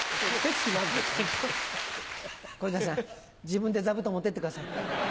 自分で座布団持って行ってください。